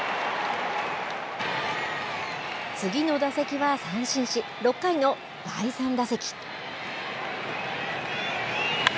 次の打席は三振し、６回の第３打席。